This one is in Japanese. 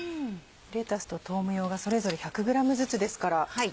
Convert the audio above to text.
レタスと豆苗がそれぞれ１００ｇずつですから。